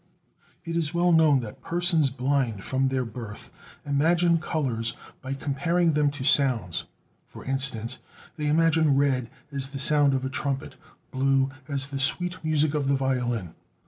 It is well known that persons blind from their birth imagine colors by comparing them to sounds: for instance, they imagine red as the sound of a trumpet, blue as the sweet music of the violin.